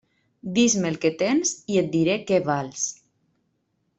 Dis-me el que tens i et diré què vals.